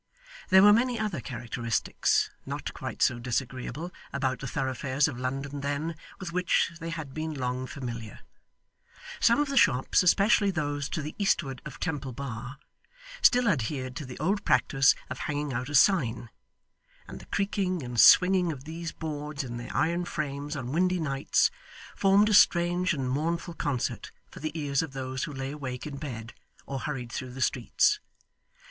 There were many other characteristics not quite so disagreeable about the thoroughfares of London then, with which they had been long familiar. Some of the shops, especially those to the eastward of Temple Bar, still adhered to the old practice of hanging out a sign; and the creaking and swinging of these boards in their iron frames on windy nights, formed a strange and mournful concert for the ears of those who lay awake in bed or hurried through the streets.